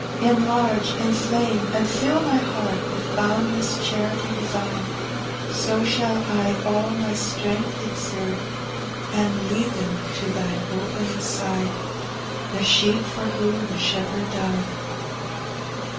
"Enlarge, inflame, and fill my heart With boundless charity divine! So shall I all my strength exert, And love them with a zeal like Thine, And lead them to Thy open side. The sheep for whom the Shepherd died."